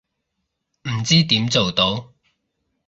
唔知點做到